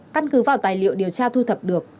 căn cứ vào tài liệu điều tra thu thập được